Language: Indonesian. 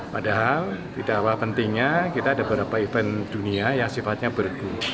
padahal tidak apa pentingnya kita ada beberapa event dunia yang sifatnya bergu